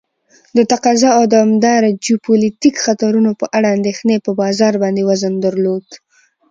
د تقاضا او دوامداره جیوپولیتیک خطرونو په اړه اندیښنې په بازار باندې وزن درلود.